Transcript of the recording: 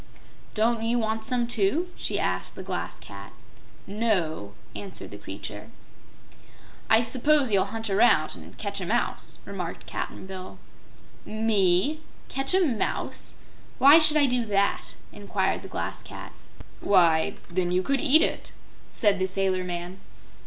"Don't you want some, too?" she asked the Glass Cat. "No," answered the creature. "I suppose you'll hunt around an' catch a mouse," remarked Cap'n Bill. "Me? Catch a mouse! Why should I do that?" inquired the Glass Cat. "Why, then you could eat it," said the sailor man.